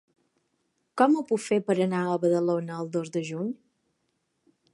Com ho puc fer per anar a Badalona el dos de juny?